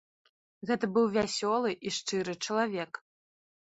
Гэта быў вясёлы і шчыры чалавек.